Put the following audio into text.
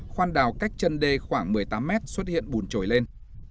khoan đào cách chân đê khoảng một mươi tám mét xuất hiện bùn trồi lên